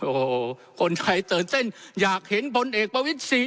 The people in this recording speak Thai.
โอ้โหคนไทยเติดเส้นอยากเห็นผลเอกประวิษฐี